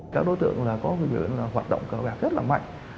các đối tượng có việc hoạt động cờ gạc rất là mạnh